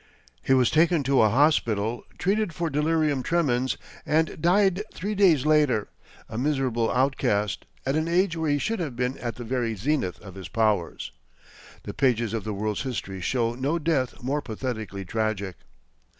He was taken to a hospital, treated for delirium tremens, and died three days later, a miserable outcast, at an age where he should have been at the very zenith of his powers. The pages of the world's history show no death more pathetically tragic.